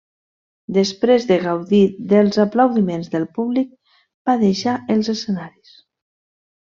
Després de gaudir dels aplaudiments del públic, va deixar els escenaris.